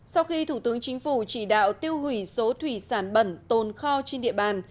sau khi thủ tướng chính phủ chỉ đạo tiêu hủy số thủy sản bẩn tồn kho trên địa bàn